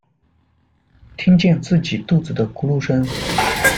听见自己肚子的咕噜声